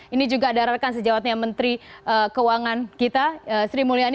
ini juga ada rekan sejawatnya menteri keuangan kita sri mulyani